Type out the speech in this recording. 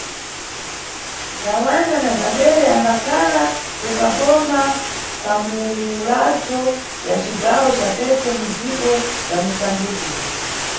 Tawanda na Zabere ambankhala kukaboma kaMulatho ya cigawo ca Tete mudziko ya Musambikmi.